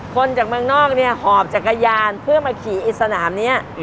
คนจากเมืองนอกเนี่ยหอบจักรยานเพื่อมาขี่อิดสนามนี้